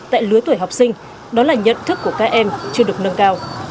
tại lứa tuổi học sinh đó là nhận thức của các em chưa được nâng cao